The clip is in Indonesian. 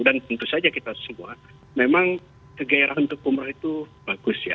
dan tentu saja kita semua memang kegayaran untuk umrah itu bagus ya